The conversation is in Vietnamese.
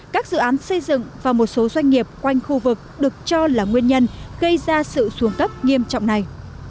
các dự án xây dựng và một số doanh nghiệp quanh khu vực được cho là nguyên nhân gây ra sự xuống cấp nghiêm trọng này